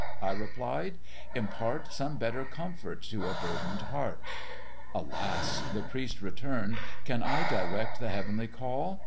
I replied; 'impart Some better comfort to a burthen'd heart.' 'Alas!' the priest return'd, 'can I direct The heavenly call?